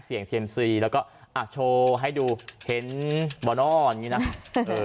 เสียงเซียมซีแล้วก็อ่ะโชว์ให้ดูเห็นบอร์นอลอย่างงี้น่ะเออ